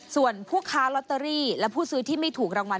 ส่วนผู้ค้าลอตเตอรี่และผู้ซื้อที่ไม่ถูกรางวัล